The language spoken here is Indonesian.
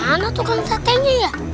mana tuh kan satenya ya